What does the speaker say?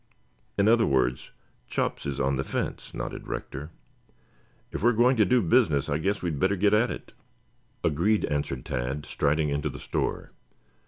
"In other words, Chops is on the fence," nodded Rector. "If we are going to do business I guess we had better get at it." "Agreed," answered Tad, striding into the store.